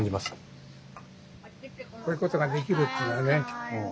こういうことができるっていうのはね